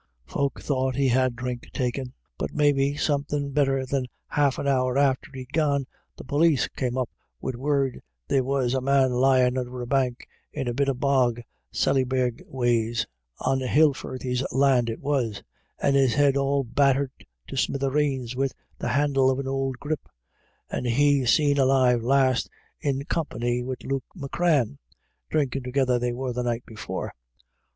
Folk thought he had drink taken. But maybe somethin' better than half an hour after he'd gone, the p61is came up wid word there was a man lyin* under a bank in a bit o' bog Sallinbeg ways — on Hilfirthy's land it was — and his head all battered to smithereens wid the handle of an ould graip ; and he seen alive last in company wid Luke Macran — drinkin' together they were the night before.